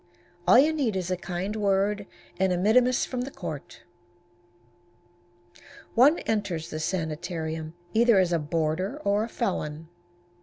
All you need is a kind word and a mittimus from the court. One enters this sanitarium either as a boarder or a felon.